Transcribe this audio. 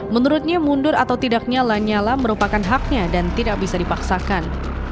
menurutnya mundur atau tidaknya lanyala merupakan haknya dan tidak bisa dipaksakan